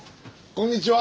こんにちは。